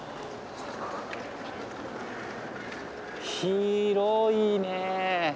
広いね。